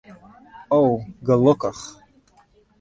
O, gelokkich.